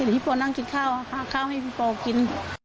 พี่ปอนั่งกินข้าวข้าวให้พี่ปอกิน